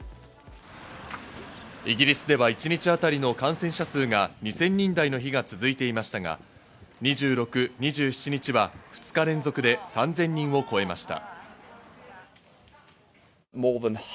イギリスでは一日当たりの感染者数が２０００人台の日が続いていましたが、２６、２７日は２日連続で３０００人を超えました。